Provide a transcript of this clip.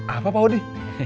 apa pak udi